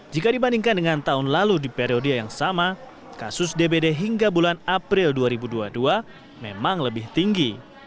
jika dibandingkan dengan tahun lalu di periode yang sama kasus dbd hingga bulan april dua ribu dua puluh dua memang lebih tinggi